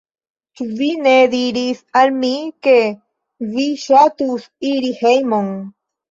Ĉu vi ne diris al mi, ke vi ŝatus iri hejmon?